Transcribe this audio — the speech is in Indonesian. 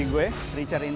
yang terpotriks pasaranging